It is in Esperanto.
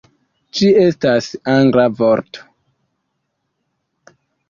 Ĝi estas angla vorto